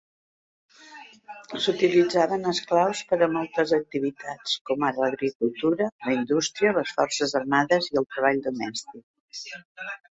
S'utilitzaves esclaus per a moltes activitats, com ara l'agricultura, la indústria, les forces armades i el treball domèstic.